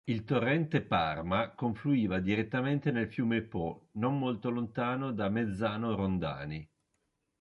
Il torrente Parma confluiva direttamente nel fiume Po non molto lontano da Mezzano Rondani.